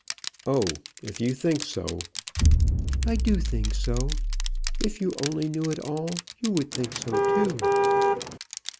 "Oh, if you think so!" "I do think so. If you only knew it all, you would think so too."